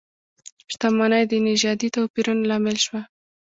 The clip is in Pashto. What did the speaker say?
شتمنۍ د نژادي توپیرونو لامل شوه.